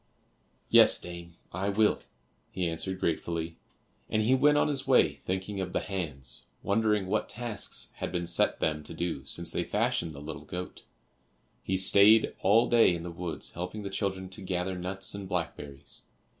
"Yes, dame, I will," he answered gratefully, and he went on his way thinking of the hands, wondering what tasks had been set them to do since they fashioned the little goat. He stayed all day in the woods helping the children to gather nuts and blackberries.